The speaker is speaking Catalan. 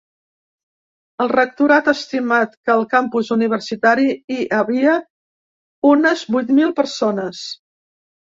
El rectorat ha estimat que al campus universitari hi havia unes vuit mil persones.